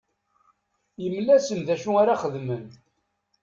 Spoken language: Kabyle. Yemla-asen d acu ara xedmen.